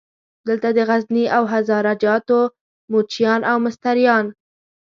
دلته د غزني او هزاره جاتو موچیان او مستریان.